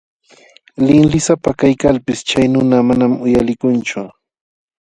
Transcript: Linlisapa kaykalpis chay nuna manam uyalikunchu.